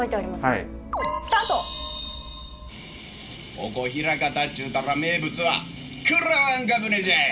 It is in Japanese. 「ここ枚方っちゅうたら名物はくらわんか舟じゃい。